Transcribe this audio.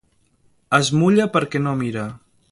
Es mulla perquè no mira.